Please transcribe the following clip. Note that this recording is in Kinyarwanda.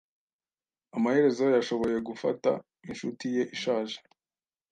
Amaherezo yashoboye gufata inshuti ye ishaje.